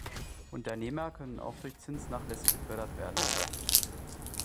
Unternehmer können auch durch Zinsnachlässe gefördert werden.